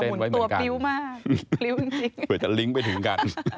หมุนตัวมากจริงจริงจริงเผื่อจะลิงก์ไปถึงกัน